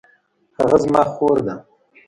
هغه زما خور ده